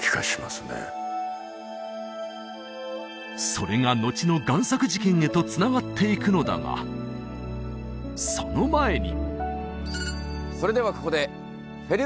それがのちの贋作事件へとつながっていくのだがその前に！